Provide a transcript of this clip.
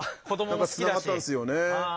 何かつながったんすよね。